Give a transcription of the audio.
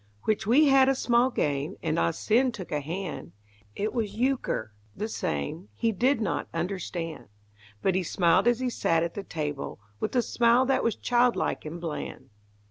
Which we had a small game, And Ah Sin took a hand; It was euchre the same He did not understand; But he smiled as he sat at the table With the smile that was childlike and bland.